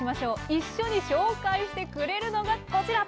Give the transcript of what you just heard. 一緒に紹介してくれるのがこちら。